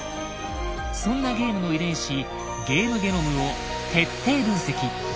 そんなゲームの遺伝子「ゲームゲノム」を徹底分析。